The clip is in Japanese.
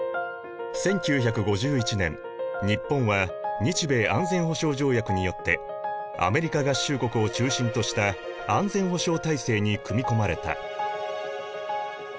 １９５１年日本は日米安全保障条約によってアメリカ合衆国を中心とした安全保障体制に組み込まれた。